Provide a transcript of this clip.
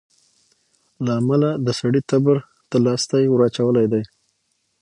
له امله د سړي تبر ته لاستى وراچولى دى.